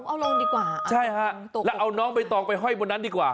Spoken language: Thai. เอาลงดีกว่าใช่ฮะแล้วเอาน้องใบตองไปห้อยบนนั้นดีกว่า